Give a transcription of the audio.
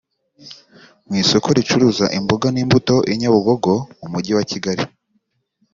Mu isoko ricuruza imboga n’imbuto i Nyabugogo mu mujyi wa Kigali